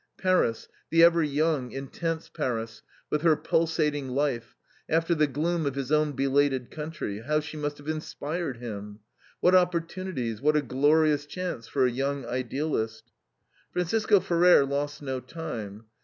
Paris, the ever young, intense Paris, with her pulsating life, after the gloom of his own belated country, how she must have inspired him. What opportunities, what a glorious chance for a young idealist. Francisco Ferrer lost no time.